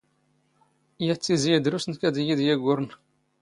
ⵢⴰⵜ ⵜⵉⵣⵉ ⵉⴷⵔⵓⵙⵏ ⴽⴰ ⴰⴷ ⵉⵢⵉ ⴷ ⵢⴰⴳⵓⵔⵏ.